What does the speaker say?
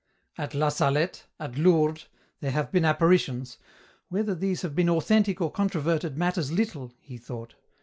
. At La Salette, at Lourdes, there have been apparitions " Whether these have been authentic or controverted matters little," he thought.